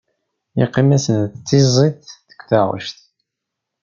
Yeqqim-asen d tiẓẓit deg taɣect.